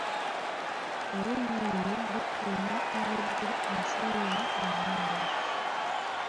Erinnya lino lituumwa abeddira enseenene abalenzi.